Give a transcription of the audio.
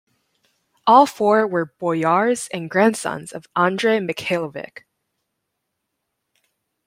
All four were boyars and grandsons of Andrey Mikhailovich.